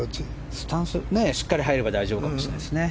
スタンスしっかり入れば大丈夫かもしれないですね。